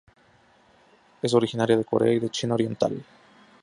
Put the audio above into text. Es originaria de Corea y de China Oriental.